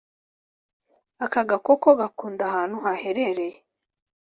Aka gakoko gakunda ahantu hahehereye